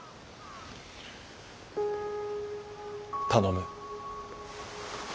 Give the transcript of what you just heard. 頼む。